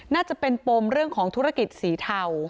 น่าจะเป็นปมเรื่องของธุรกิจสีเทา